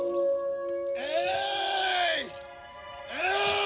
えい！！